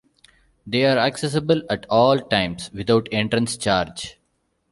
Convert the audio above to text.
They are accessible at all times without entrance charge.